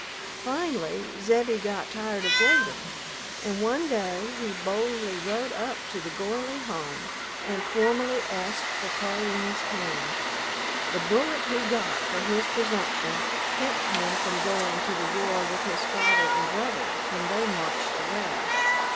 Finally Zebbie got tired of waiting, and one day he boldly rode up to the Gorley home and formally asked for Pauline's hand. The bullet he got for his presumption kept him from going to the war with his father and brother when they marched away.